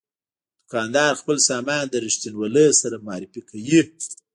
دوکاندار خپل سامان د رښتینولۍ سره معرفي کوي.